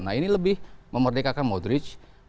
nah ini lebih memerdekakan modridge